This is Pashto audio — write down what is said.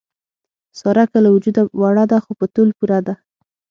ساره که له وجوده وړه ده، خو په تول پوره ده.